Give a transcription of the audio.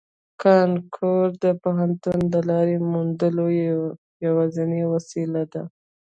کانکور د پوهنتون د لارې موندلو یوازینۍ وسیله ده